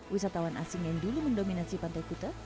wisatawan asing yang dulu mendominasi pantai kuta